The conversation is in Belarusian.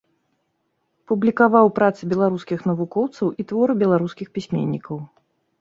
Публікаваў працы беларускіх навукоўцаў і творы беларускіх пісьменнікаў.